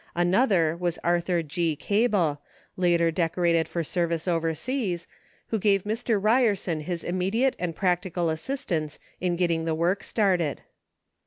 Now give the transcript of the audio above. Another was Arthur G. Cable, later decorated for service over seas, who gave Mr. Ryerson his immediate and practical assistance in getting the work started.